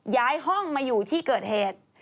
ย้ายห้องมาอยู่ที่เกิดเหตุ